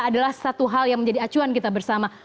adalah satu hal yang menjadi acuan kita bersama